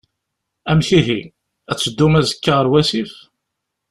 Amek ihi? Ad teddum azekka ɣer wasif?